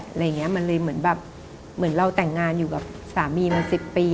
อะไรอย่างเงี้ยมันเลยเหมือนแบบเหมือนเราแต่งงานอยู่กับสามีมา๑๐ปี